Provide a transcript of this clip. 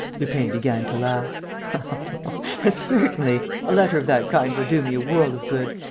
Lupin began to laugh: "Certainly! A letter of that kind will do me a world of good.